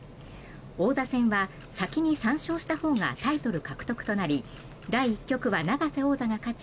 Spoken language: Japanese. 王座戦は先に３勝したほうがタイトル獲得となり第１局は永瀬王座が勝ち